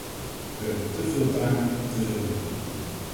We hebben te veel taken, te veel doelen.